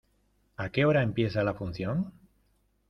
¿A qué hora empieza la función?